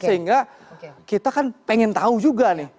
sehingga kita kan pengen tahu juga nih